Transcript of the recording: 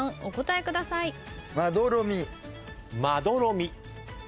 お答えください。ＯＫ！